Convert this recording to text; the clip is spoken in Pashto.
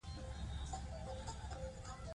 موږ ته هېڅ خنډ مخه نشي نیولی.